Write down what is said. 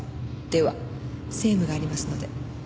では政務がありますので。